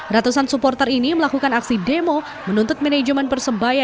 ratusan supporter ini melakukan aksi demo menuntut manajemen persebaya